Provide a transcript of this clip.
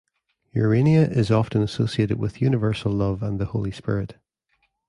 Urania is often associated with Universal Love and the Holy Spirit.